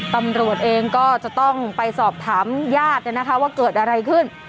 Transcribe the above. ตำรวจเองก็จะต้องไปสอบถามญาติว่าเกิดอะไรขึ้น